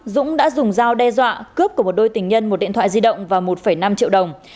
dũng đã dùng dao đe dọa cướp của một đôi tình nhân một điện thoại di động và một năm triệu đồng